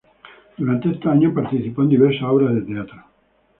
Durante esos años participó en diversas obras de teatro.